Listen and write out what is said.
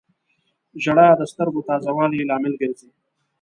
• ژړا د سترګو تازه والي لامل ګرځي.